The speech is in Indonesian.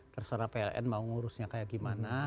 terserah pln mau ngurusnya kayak gimana